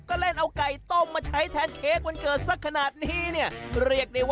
ก็เล่นเอาไก่ต้มมาใช้แทนเค้กวันเกิดสักนายท์